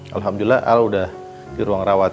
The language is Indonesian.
alhamdulillah al sudah di ruang rawat